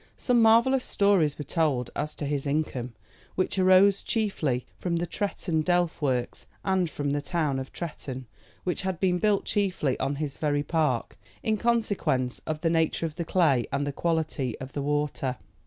Some marvellous stories were told as to his income, which arose chiefly from the Tretton delf works and from the town of Tretton, which had been built chiefly on his very park, in consequence of the nature of the clay and the quality of the water.